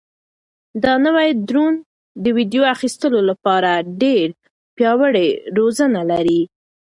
دا نوی ډرون د ویډیو اخیستلو لپاره ډېر پیاوړي وزرونه لري.